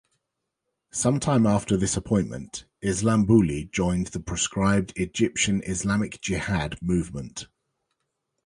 Sometime after this appointment, Islambouli joined the proscribed Egyptian Islamic Jihad movement.